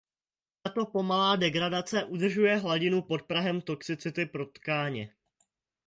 Tato pomalá degradace udržuje hladinu pod prahem toxicity pro tkáně.